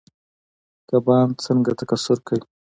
کبان څنګه تکثیر کوي؟